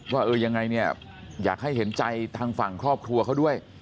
ว่าเออยังไงเนี่ยอยากให้เห็นใจทางฝั่งครอบครัวเขาด้วย